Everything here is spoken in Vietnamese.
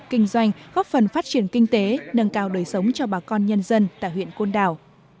kinh doanh góp phần phát triển kinh tế nâng cao đời sống cho bà con nhân dân tại huyện côn đảo